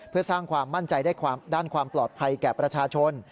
เพื่อสร้างความมั่นใจด้านความปลอดภัยแก่ประชาชน